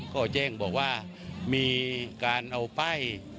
ก็แจ้งบอกว่ามีการเอาป้าย